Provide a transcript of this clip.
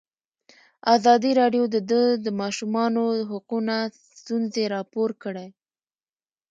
ازادي راډیو د د ماشومانو حقونه ستونزې راپور کړي.